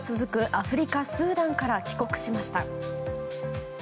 アフリカスーダンから帰国しました。